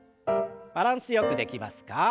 バランスよくできますか？